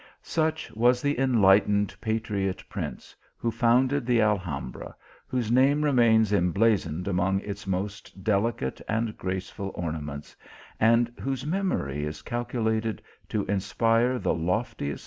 Such was the enlightened patriot prince, who founded the Alhambra, whose name remains em blazoned among its most delicate and graceful orna ments, and whose memory is calculated to inspire the loftiest